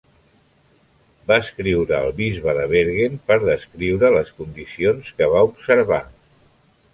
Va escriure al bisbe de Bergen per descriure les condicions que va observar.